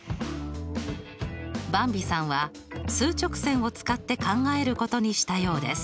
ばんびさんは数直線を使って考えることにしたようです。